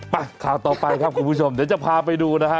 ข่าวต่อไปครับคุณผู้ชมเดี๋ยวจะพาไปดูนะฮะ